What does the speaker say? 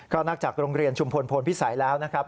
ก็นอกจากโรงเรียนชุมพลพลพิสัยแล้วนะครับ